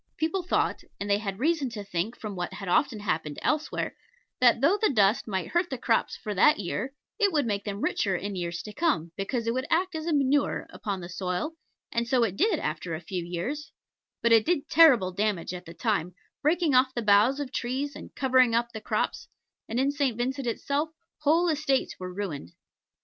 People thought and they had reason to think from what had often happened elsewhere that though the dust might hurt the crops for that year, it would make them richer in years to come, because it would act as manure upon the soil; and so it did after a few years; but it did terrible damage at the time, breaking off the boughs of trees and covering up the crops; and in St. Vincent itself whole estates were ruined.